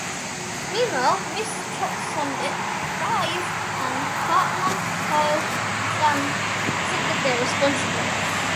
Meanwhile, Ms. Choksondik dies and Cartman, Kyle and Stan think that they are responsible.